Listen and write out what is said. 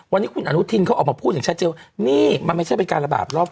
วันนี้คุณอนุทินเขาออกมาพูดอย่างชัดเจนว่านี่มันไม่ใช่เป็นการระบาดรอบ